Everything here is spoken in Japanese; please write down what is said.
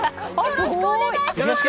よろしくお願いします！